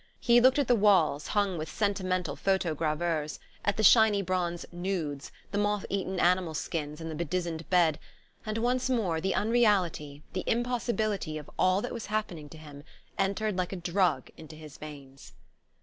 He looked at the walls hung with sentimental photogravures, at the shiny bronze "nudes," the moth eaten animal skins and the bedizened bed and once more the unreality, the impossibility, of all that was happening to him entered like a drug into his veins.